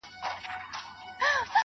o وينه د وجود مي ده ژوندی يم پرې.